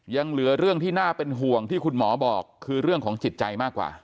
ยังเหลือเรื่องที่น่าเป็นห่วงที่คุณหมอบอกคือเรื่องของจิตใจมากกว่า